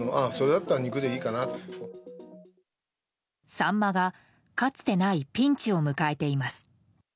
サンマがかつてないピンチを迎えています。